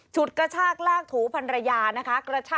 ฉุดกระชากลากถูพันรยานะคะ